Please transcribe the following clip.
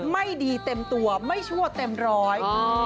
ไม่ดีเต็มตัวไม่ชั่วเต็มร้อย